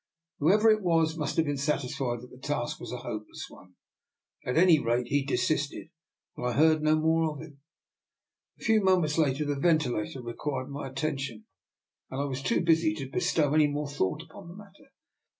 Who ever it was must have been satisfied that the task was a hopeless one. At any rate he de sisted, and I heard no more of him. A few moments later the ventilator required my at (( (C DR. NIKOLA'S EXPERIMENT. 235 tention, and I was too busy to bestow any more thought upon the matter.